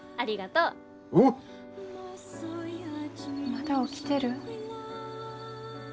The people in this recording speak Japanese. まだ起きてる？